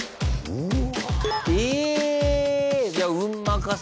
うわ。